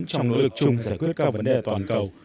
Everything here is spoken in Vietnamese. trong nỗ lực chung giải quyết các vấn đề toàn cầu